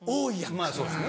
まぁそうですね。